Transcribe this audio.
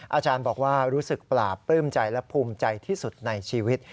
อาจารย์บอกว่ารู้สึกปราบปลื้มใจและภูมิใจที่สุดในชีวิต